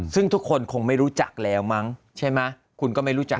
ซึ่งทุกคนคงไม่รู้จักแล้วมั้งใช่ไหมคุณก็ไม่รู้จัก